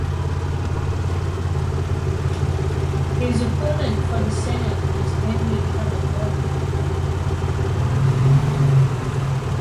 His opponent for the Senate was Henry Cabot Lodge.